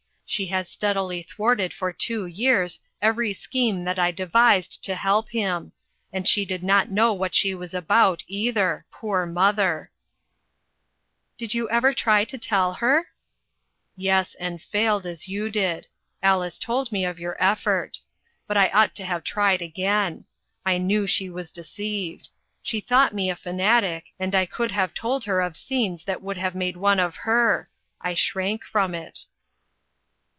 She has steadily thwarted for two years every scheme that I devised to help him ; and she did not know what she was about, either, poor mother !"" Did you ever try to tell her ?"" Yes, and failed, as you did. Alice told me of your effort. But I ought to have tried again. I knew she was deceived. She thought me a fanatic, and I could have told her of scenes that would have made one of her. I shrank from it."